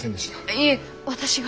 いえ私が。